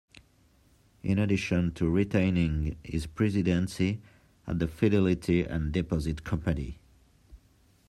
In addition to retaining his presidency at the Fidelity and Deposit Company.